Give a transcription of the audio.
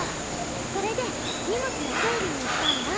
それで荷物の整理に行ったんだ。